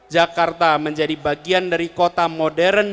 jakarta menjadi bagian dari kota modern